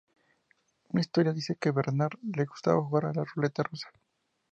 Una historia dice que a Bernard le gustaba jugar a la Ruleta Rusa.